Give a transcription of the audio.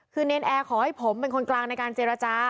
คือเนรนแอร์ขอให้ผมเป็นคนกลางในการเจรจา